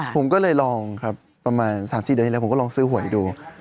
ผมก็เลยลองครับประมาณ๓๔เดือนที่แล้วผมก็ลองซื้อหวยดู